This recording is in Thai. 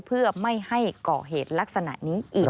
เพื่อไม่ให้ก่อเหตุลักษณะนี้อีก